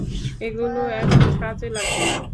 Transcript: এগুলো এখন কাজে লাগবে না।